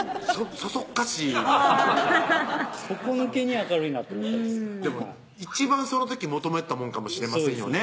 そそっかしい底抜けに明るいなと思ったんですでも一番その時求めてたものかもしれませんよね